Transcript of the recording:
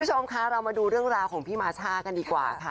คุณผู้ชมคะเรามาดูเรื่องราวของพี่มาช่ากันดีกว่าค่ะ